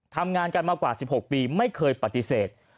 ทำงานกันมากว่า๑๖ปีไม่เคยปฏิเสธ